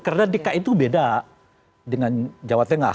karena deka itu beda dengan jawa tengah